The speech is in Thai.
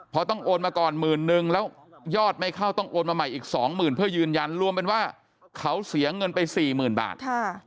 พอต้องโอนมาก่อนหมื่นนึงแล้วยอดไม่เข้าต้องโอนมาใหม่อีก๒๐๐๐เพื่อยืนยันรวมเป็นว่าเขาเสียเงินไป๔๐๐๐บาท